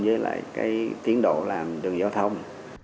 với lại cái tiến độ làm đường giao thông